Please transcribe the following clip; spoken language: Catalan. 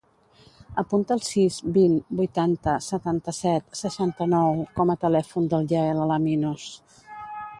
Apunta el sis, vint, vuitanta, setanta-set, seixanta-nou com a telèfon del Yael Alaminos.